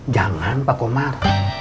jangan pak omar